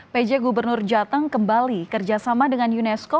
pj gubernur jateng kembali kerjasama dengan unesco